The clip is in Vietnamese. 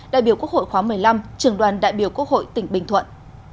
đại biểu quốc hội khóa một mươi năm trường đoàn đại biểu quốc hội tỉnh bình thuận